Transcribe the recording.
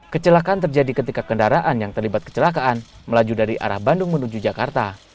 kecelakaan terjadi ketika kendaraan yang terlibat kecelakaan melaju dari arah bandung menuju jakarta